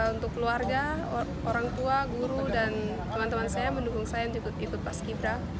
untuk keluarga orang tua guru dan teman teman saya mendukung saya untuk ikut paski bra